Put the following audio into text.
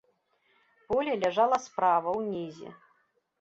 Поле ляжала справа, унізе.